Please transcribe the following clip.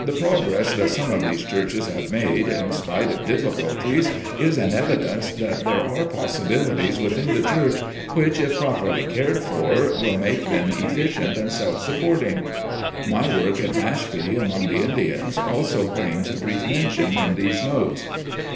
The progress that some of these churches have made in spite of difficulties is an evidence that there are possibilities within the church which, if properly cared for, will make them efficient and self supporting. My work at Mashpee, among the Indians, also claims a brief mention in these notes.